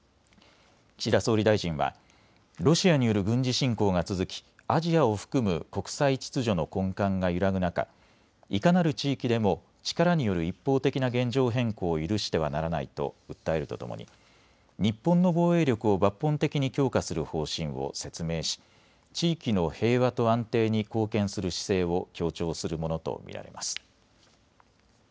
岸田総理大臣はロシアによる軍事侵攻が続きアジアを含む国際秩序の根幹が揺らぐ中、いかなる地域でも力による一方的な現状変更を許してはならないと訴えるとともに日本の防衛力を抜本的に強化する方針を説明し地域の平和と安定に貢献する姿勢を強調するものと見られます。